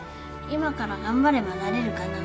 今から頑張ればなれるかな？